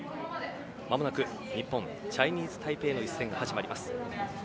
間もなく、日本チャイニーズタイペイの一戦が始まります。